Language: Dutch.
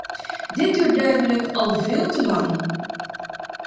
Dit duurt duidelijk al veel te lang.